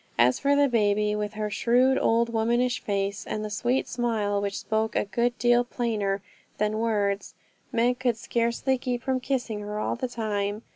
As for the baby with her shrewd old womanish face, and the sweet smile which spoke a good deal plainer than words, Meg could scarcely keep from kissing her all the time.